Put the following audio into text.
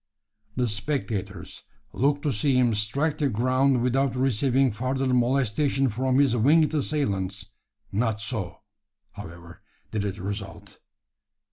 The spectators looked to see him strike the ground without receiving further molestation from his winged assailants. Not so, however, did it result.